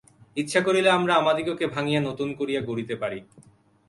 ইচ্ছা করিলে আমরা আমাদিগকে ভাঙিয়া নূতন করিয়া গড়িতে পারি।